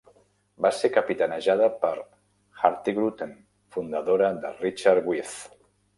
Va ser capitanejada per Hurtigruten fundadora de Richard With.